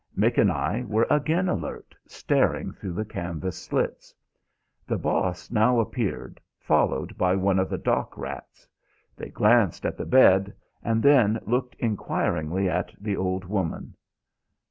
Mick and I were again alert, staring through the canvas slits. The Boss now appeared, followed by one of the dock rats. They glanced at the bed and then looked enquiringly at the old woman.